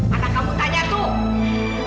anak kamu tanya tuh